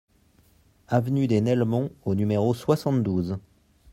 Avenue des Nelmons au numéro soixante-douze